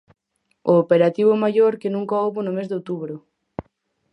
O operativo maior que nunca houbo no mes de outubro.